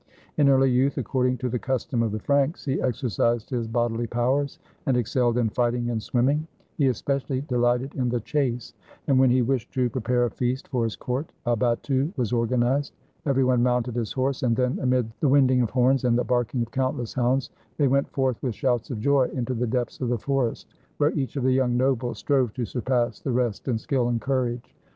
In early youth, according to the custom of the Franks, he exercised his bodily powers, and excelled in fighting and swimming. He especially delighted in the chase, and when he 165 FRANCE wished to prepare a feast for his court, a battue was organized. Every one mounted his horse, and then, amid the winding of horns and the barking of countless hounds, they went forth with shouts of joy into the depths of the forest, where each of the young nobles strove to surpass the rest in skill and courage.